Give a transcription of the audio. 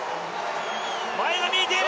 前が見えてきた。